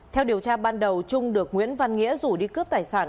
theo điều tra ban đầu trung được nguyễn văn nghĩa rủ đi cướp tài sản